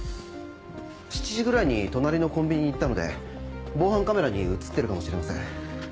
７時ぐらいに隣のコンビニに行ったので防犯カメラに映ってるかもしれません。